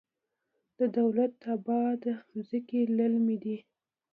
د دولت اباد ځمکې للمي دي